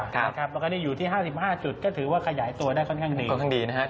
แล้วก็นี่อยู่ที่๕๕จุดก็ถือว่าขยายตัวได้ค่อนข้างดี